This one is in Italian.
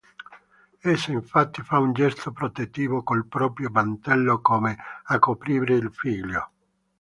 Essa infatti fa un gesto protettivo col proprio mantello come a coprire il figlio.